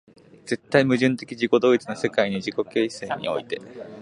絶対矛盾的自己同一の世界の自己形成において、